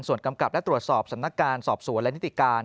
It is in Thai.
ส่วนกำกับและตรวจสอบสำนักการสอบสวนและนิติการ